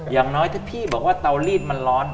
อย่างน้อยถ้าพี่บอกว่าเตาลีดมันร้อน